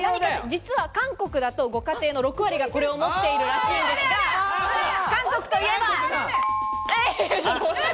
実は韓国だとご家庭の６割がこれを持っているらしいんですが、韓国といえば？